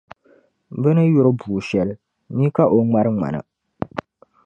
Bɛ ni yuri bua shɛli ni ka o ŋmari ŋmana.